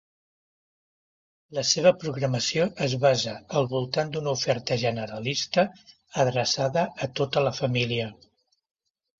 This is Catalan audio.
La seva programació es basa al voltant d'una oferta generalista adreçada a tota la família.